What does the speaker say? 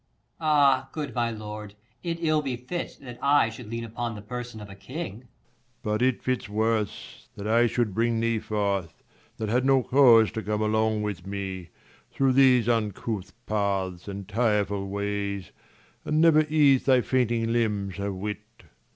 Per. Ah, good my lord, it ill befits, that I 5 Should lean upon the^person of a king. Leir. But it fits worse, that I should bring thee forth, That had no cause to come along with me, Through these uncouth paths, and tireful ways, And never ease thy fainting limbs a whit.